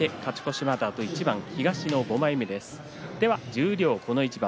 十両この一番